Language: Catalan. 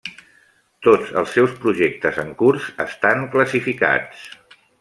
Tots els seus projectes en curs estan classificats.